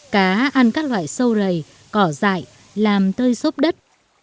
cá ăn các loại sâu rầy cỏ dại làm tơi xốp đất